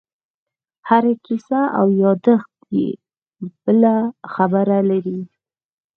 هره کیسه او یادښت یې بله خبره لري.